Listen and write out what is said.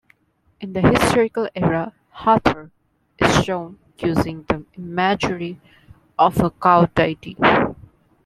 In the historical era Hathor is shown using the imagery of a cow deity.